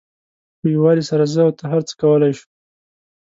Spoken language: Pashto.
په یووالي سره زه او ته هر څه کولای شو.